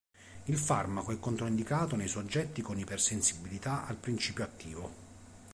Il farmaco è controindicato nei soggetti con ipersensibilità al principio attivo.